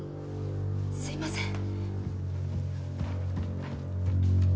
すいません。